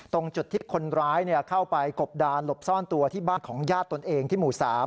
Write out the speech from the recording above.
ตรงจุดที่คนร้ายเข้าไปกบดานหลบซ่อนตัวที่บ้านของญาติตนเองที่หมู่๓